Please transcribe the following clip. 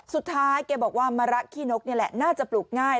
แกบอกว่ามะระขี้นกนี่แหละน่าจะปลูกง่าย